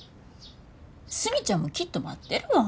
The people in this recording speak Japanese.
スミちゃんもきっと待ってるわ。